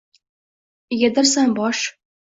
Egadirsan bosh?